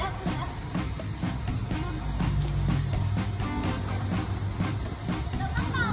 เอานอนลงไหมคะ